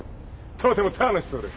とても楽しそうで。